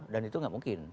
dan itu gak mungkin